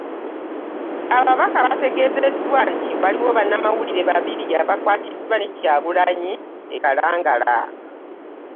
Ababaka bategeezeddwa nti waliwo bannamawulire babiri abaakwatibwa ne Kyagulanyi e Kalangala